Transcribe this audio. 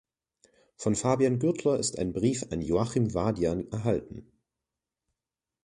Von Fabian Gürtler ist ein Brief an Joachim Vadian erhalten.